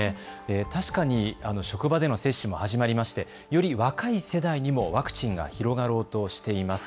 確かに職場での接種も始まりまして、より若い世代にもワクチンが広がろうとしています。